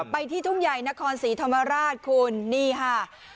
ไปที่ทุ่งใหญ่นครศรีธรรมราชคุณนี่ค่ะ